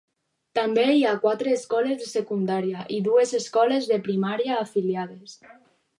També hi ha quatre escoles de secundària i dues escoles de primària afiliades.